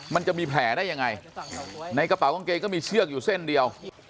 มันจะมีแผลได้ยังไงในกระเป๋ากางเกงก็มีเชือกอยู่เส้นเดียว